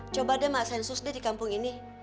coba deh mak sensus deh di kampung ini